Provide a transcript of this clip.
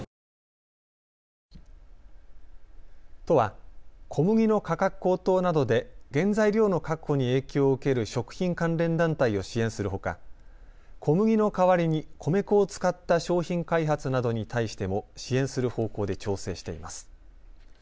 都は小麦の価格高騰などで原材料の確保に影響を受ける食品関連団体を支援するほか小麦の代わりに米粉を使った商品開発などに対しても支援する方向で調整しています。